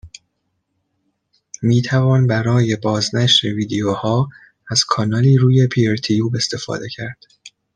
میتوان برای بازنشر ویدیو ها از کانالی روی پیرتیوب استفاده کرد